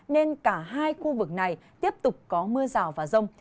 nên cả hai khu vực này tiếp tục có mưa rào và rông